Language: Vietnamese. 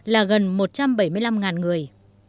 là gần một trăm bảy mươi năm người